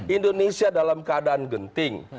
indonesia dalam keadaan genting